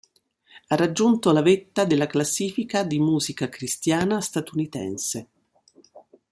Ha raggiunto la vetta della classifica di musica cristiana statunitense.